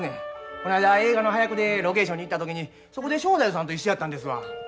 こないだ映画の端役でロケーションに行った時にそこで正太夫さんと一緒やったんですわ。